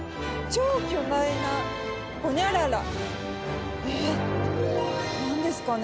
超巨大なほにゃらら？